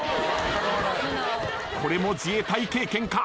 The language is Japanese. これも自衛隊経験か？